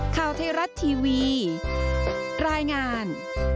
ข้าวเทราะห์ทีวีรายงาน